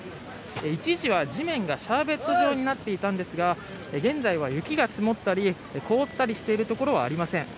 一時は地面がシャーベット状になっていたんですが現在は雪が積もったり凍ったりしているところはありません。